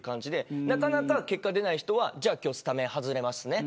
なかなか結果が出ない人は今日はスタメンを外れますね。